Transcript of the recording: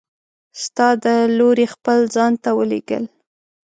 ستا د لورې خپل ځان ته ولیږل!